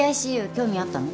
興味あったの？